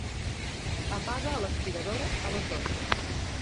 Apaga l'aspiradora a les dotze.